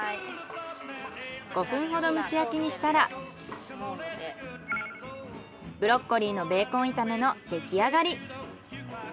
５分ほど蒸し焼きにしたらブロッコリーのベーコン炒めのできあがり。